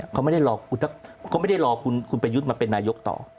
เขาไม่ได้รอคุณประยุทธมาเป็นนายกต่อ